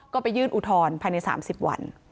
ก็ไปยื่นอุทธรณ์ภายใน๓๐วัน